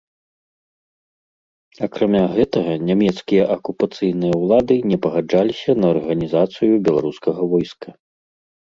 Акрамя гэтага, нямецкія акупацыйныя ўлады не пагаджаліся на арганізацыю беларускага войска.